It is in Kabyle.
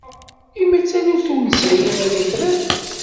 I ma d taluft ur nesɛi ara tifrat?